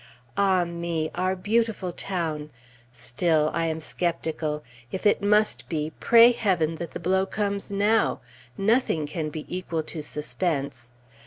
Ah, me! our beautiful town! Still I am skeptical. If it must be, pray Heaven that the blow comes now! Nothing can be equal to suspense.